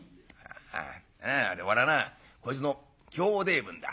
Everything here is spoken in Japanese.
なあ俺はなこいつの兄弟分だ。